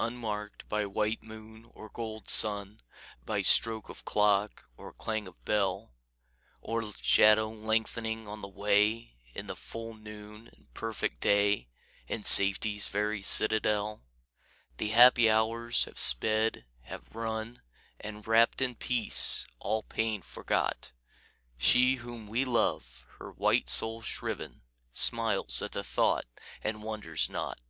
Unmarked by white moon or gold sun, By stroke of clock or clang of bell, Or shadow lengthening on the way, In the full noon and perfect day, In Safety's very citadel, The happy hours have sped, have run; And, rapt in peace, all pain forgot, She whom we love, her white soul shriven, Smiles at the thought and wonders not.